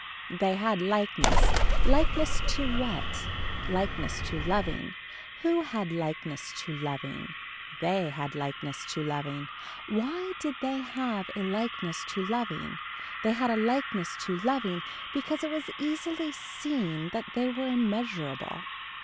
They had likeness. Likeness to what. Likeness to loving. Who had likeness to loving. They had likeness to loving. Why did they have a likeness to loving. They had a likeness to loving because it was easily seen that they were immeasurable.